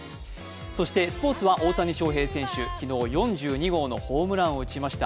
そしてスポ−ツは大谷翔平選手昨日、４２号のホームランを打ちました。